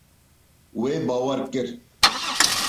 Wê bawer kir.